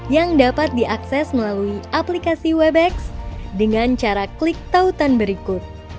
yang dapat diakses melalui aplikasi webex dengan cara klik tautan berikut